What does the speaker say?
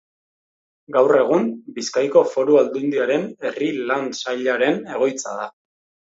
Gaur egun Bizkaiko Foru Aldundiaren Herri Lan Sailaren egoitza da.